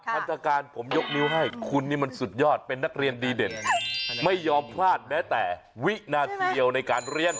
ทันตการผมยกนิ้วให้คุณนี่มันสุดยอดเป็นนักเรียนดีเด่นไม่ยอมพลาดแม้แต่วินาทีเดียวในการเรียน